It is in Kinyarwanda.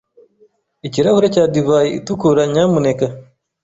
Ikirahure cya divayi itukura, nyamuneka.